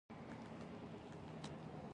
د خبیثه کړۍ بله نادوده دا ده.